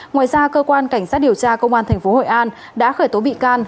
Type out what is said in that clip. ngoài ra cơ quan cảnh sát điều tra công an tp hội an đã khởi tố bị can